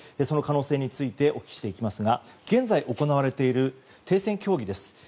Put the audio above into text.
その可能性についてお聞きしていきますが現在、行われている停戦協議です。